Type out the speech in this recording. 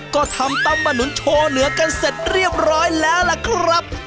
ก็ทำตำมาหนุนโชว์เหนือกันเสร็จเรียบร้อยแล้วล่ะครับ